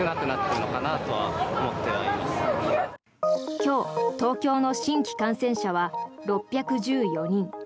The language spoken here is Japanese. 今日、東京の新規感染者は６１４人。